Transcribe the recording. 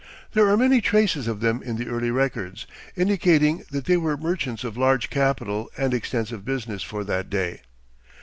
There are many traces of them in the early records, indicating that they were merchants of large capital and extensive business for that day.